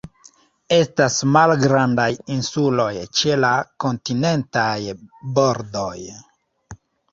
Estas malgrandaj insuloj ĉe la kontinentaj bordoj.